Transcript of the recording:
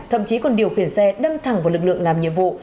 thậm chí còn điều khiển xe đâm thẳng vào lực lượng làm nhiệm vụ